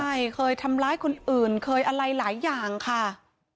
ใช่เคยทำร้ายคนอื่นเคยอะไรหลายอย่างค่ะ